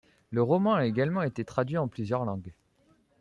Le roman a également été traduit en plusieurs langues.